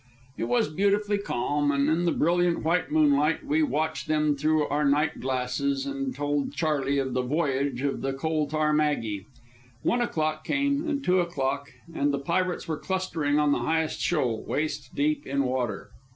It was beautifully calm, and in the brilliant white moonlight we watched them through our night glasses and told Charley of the voyage of the Coal Tar Maggie. One o'clock came, and two o'clock, and the pirates were clustering on the highest shoal, waist deep in water.